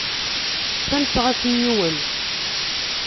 Ssamseɣ-as i yiwen.